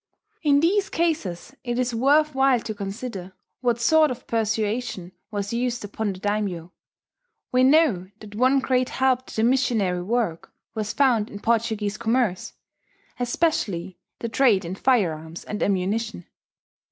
In these cases it is worth while to consider what sort of persuasion was used upon the daimyo. We know that one great help to the missionary work was found in Portuguese commerce, especially the trade in firearms and ammunition.